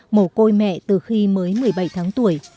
mổ côi mẹ từ khi mới một mươi bảy tháng tuổi